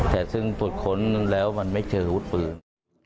แต่ซึ่งตรวจค้นแล้วมันไม่เจอวุฒิปืน